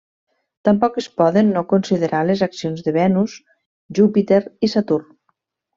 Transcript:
Tampoc es poden no considerar les accions de Venus, Júpiter i Saturn.